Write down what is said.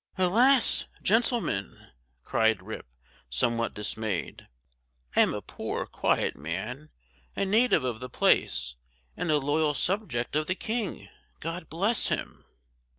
"Alas! gentlemen," cried Rip, somewhat dismayed, "I am a poor, quiet man, a native of the place, and a loyal subject of the King, God bless him!"